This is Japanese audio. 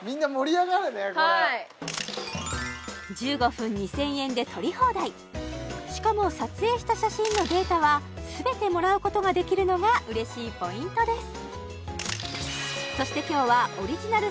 １５分２０００円で撮り放題しかも撮影した写真のデータは全てもらうことができるのが嬉しいポイントです